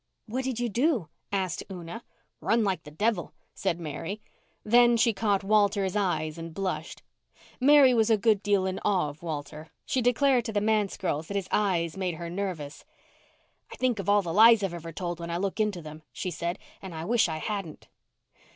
"What did you do?" asked Una. "Run like the devil," said Mary. Then she caught Walter's eyes and blushed. Mary was a good deal in awe of Walter. She declared to the manse girls that his eyes made her nervous. "I think of all the lies I've ever told when I look into them," she said, "and I wish I hadn't."